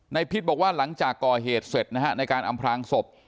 พิษบอกว่าหลังจากก่อเหตุเสร็จนะฮะในการอำพลางศพ